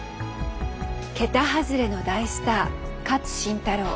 桁外れの大スター勝新太郎。